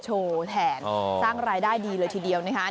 แทนสร้างรายได้ดีเลยทีเดียวนะคะ